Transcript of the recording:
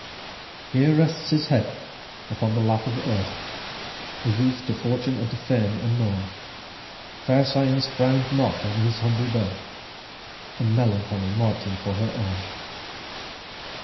Here rests his head upon the lap of Earth A youth, to Fortune and to Fame unknown; Fair Science frown'd not on his humble birth, And Melancholy mark'd him for her own.